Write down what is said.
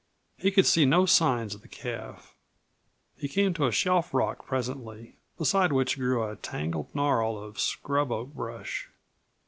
He could see no signs of the calf. He came to a shelf rock presently, beside which grew a tangled gnarl of scrub oak brush.